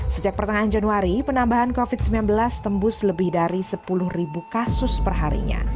sejak pertengahan januari penambahan covid sembilan belas tembus lebih dari sepuluh kasus perharinya